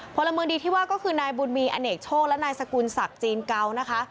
พลเมืองดีที่ว่าก็คือนายบุญมีอเนกโชคและนายสกุลศักดิ์จีนเกานะคะ